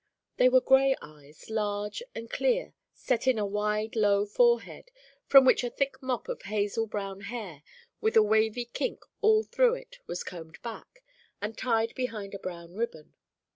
They were gray eyes, large and clear, set in a wide, low forehead, from which a thick mop of hazel brown hair, with a wavy kink all through it, was combed back, and tied behind with a brown ribbon.